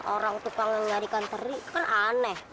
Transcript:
orang tukang yang nyarikan seri kan aneh